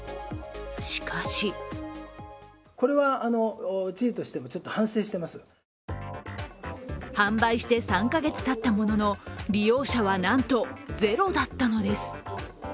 しかし販売して３か月たったものの利用者はなんとゼロだったのです。